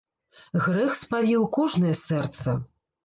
Грэх спавіў кожнае сэрца.